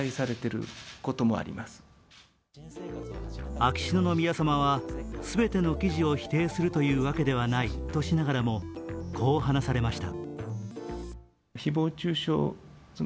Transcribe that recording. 秋篠宮さまは全ての記事を否定するわけではないとしながらもこう話されました。